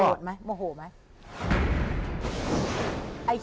โหดไหมโมโหไหม